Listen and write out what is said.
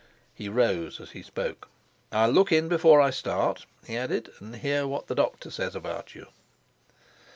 He rose as he spoke. "I'll look in before I start," he added, "and hear what the doctor says about you."